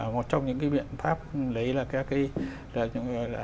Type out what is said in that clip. một trong những cái biện pháp đấy là các cái